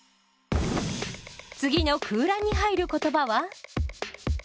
次の空欄に入る言葉は？